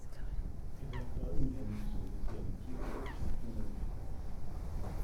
Everton gagne son deuxième titre de champion d’Angleterre.